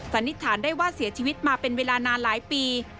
สันนิษฐานได้ว่าเสียชีวิตมาเป็นเวลานานหลายปี